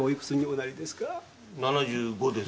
７５です。